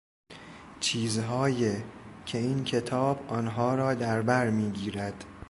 چیزهای که این کتاب آنها را دربرمیگیرد